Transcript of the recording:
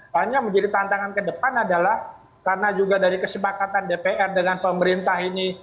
hanya menjadi tantangan ke depan adalah karena juga dari kesepakatan dpr dengan pemerintah ini